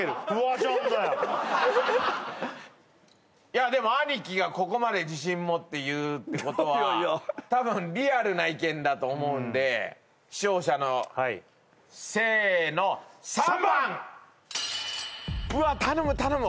いやでも兄貴がここまで自信持って言うってことは多分リアルな意見だと思うんで視聴者のせーの３番頼む頼む